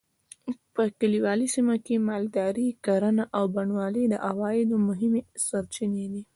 په کلیوالي سیمو کې مالداري؛ کرهڼه او بڼوالي د عوایدو مهمې سرچینې دي.